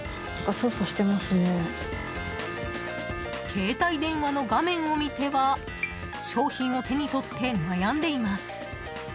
携帯電話の画面を見ては商品を手に取って悩んでいます。